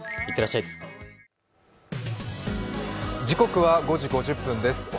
時刻は５時５０分です。